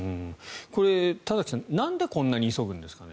田崎さんなんでこんなに急ぐんですかね？